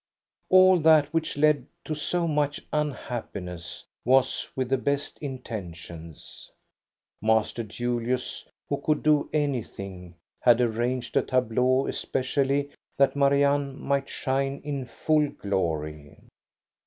All that which led to so much unhappiness was with the best intentions. Master Julius, who could do anything, had arranged a tableau especially that Marianne might shine in full glory.